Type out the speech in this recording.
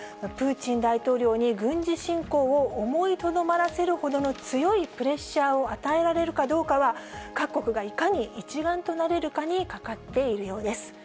プーチン大統領に軍事侵攻を思いとどまらせるほどの強いプレッシャーを与えられるかどうかは、各国がいかに一丸となれるかにかかっているようです。